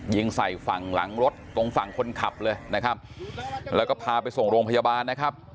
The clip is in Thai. ยิงใส่ฝั่งหลังรถตรงฝั่งคนขับเลยนะครับแล้วก็พาไปส่งโรงพยาบาลนะครับ